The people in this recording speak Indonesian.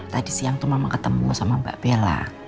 tadi siang tuh mama ketemu sama mbak bella